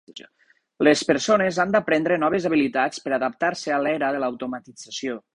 Les persones han d'aprendre noves habilitats per adaptar-se a l'era de l'automatització.